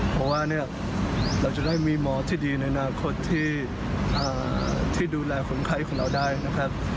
เพราะว่าเนี่ยเราจะได้มีหมอที่ดีในอนาคตที่ดูแลคนไข้ของเราได้นะครับ